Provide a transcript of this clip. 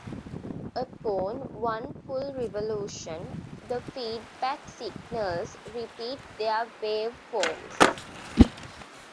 Upon one full revolution, the feedback signals repeat their waveforms.